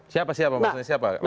siapa siapa maksudnya